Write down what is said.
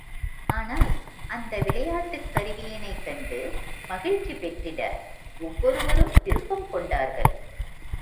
ஆனால், அந்த விளையாட்டுக் கருவியினைக் கண்டு மகிழ்ச்சி பெற்றிட ஒவ்வொருவரும் விருப்பம் கொண்டார்கள்.